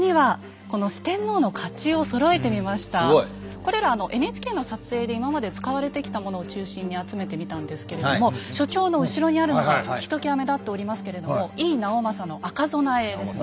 これらはＮＨＫの撮影で今まで使われてきたものを中心に集めてみたんですけれども所長の後ろにあるのがひときわ目立っておりますけれども赤備えですね。